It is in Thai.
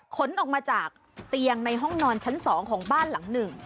ขนออกมาจากเตียงในห้องนอนชั้น๒ของบ้านหลังหนึ่ง